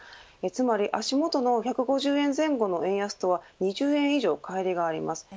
つまり足元の１５０円前後の円安とは２０円以上変わりがあります。